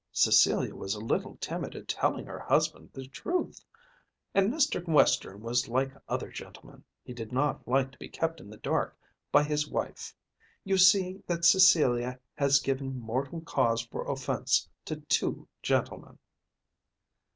Cecilia was a little timid at telling her husband the truth. And Mr. Western was like other gentlemen. He did not like to be kept in the dark by his wife. You see that Cecilia has given mortal cause for offence to two gentlemen."